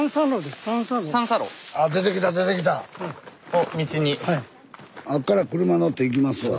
あっから車乗って行きますわ。